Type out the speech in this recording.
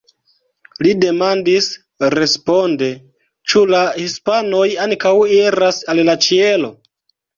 Li demandis responde: "Ĉu la hispanoj ankaŭ iras al ĉielo?